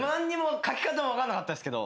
書き方も分かんなかったですけど。